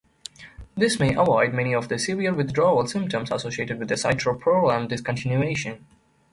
This may avoid many of the severe withdrawal symptoms associated with Citalopram discontinuation.